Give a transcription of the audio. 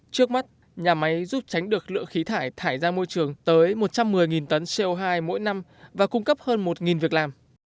trước mắt nhà máy giúp tránh được lượng khí thải thải ra môi trường tới một trăm một mươi tấn co hai mỗi năm và cung cấp hơn một việc làm